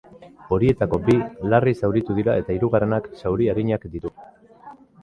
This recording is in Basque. Horietako bi larri zauritu dira eta hirugarrenak zauri arinak ditu.